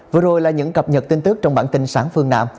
vừa rồi là những cập nhật tin tức trong bản tin sáng phương nam